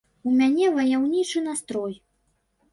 У мяне ваяўнічы настрой.